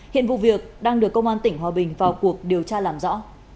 hiện vụ việc đang được công an tỉnh hòa bình vào cuộc điều tra làm rõ